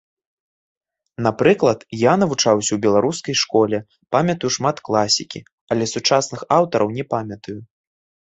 Напрыклад, я навучаўся ў беларускай школе, памятаю шмат класікі, але сучасных аўтараў не памятаю.